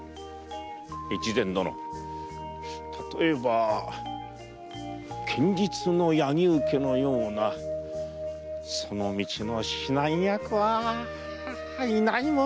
越前殿たとえば剣術の柳生家のようなその道の指南役はいないものかのう？